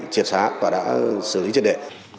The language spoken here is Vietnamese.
triệt xá và đã xử lý trên đệ